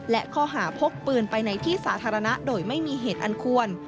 และข้อหาพกปืนไปในที่สาธารณะโดยไม่มีเหตุอันควร